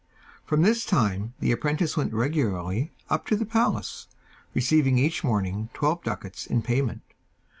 From this time the apprentice went regularly up to the palace, receiving each morning twelve ducats in payment.